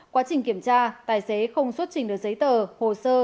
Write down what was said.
quá trình kiểm tra tài xế không xuất trình được giấy tờ hồ sơ